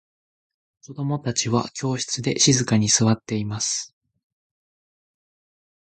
子供達は教室で静かに座っています。